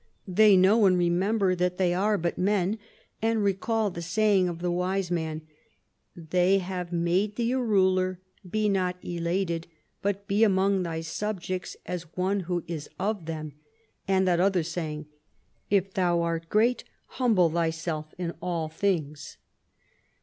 They know and remember that they are but men, and recall the saying of the wise man ' they have made thee a ruler ; be not elated, but be among thy subjects as one who is of them,' and that other saying 'if thou art great, humble thyself in all things.'